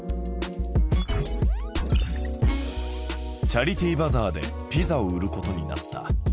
チャリティーバザーでピザを売ることになった。